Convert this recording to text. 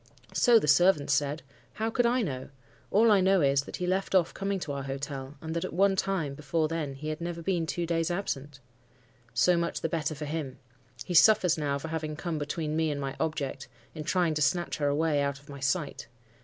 "'So the servants said. How could I know? All I know is, that he left off coming to our hotel, and that at one time before then he had never been two days absent.' "'So much the better for him. He suffers now for having come between me and my object—in trying to snatch her away out of my sight.